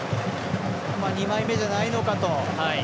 ２枚目じゃないのかと。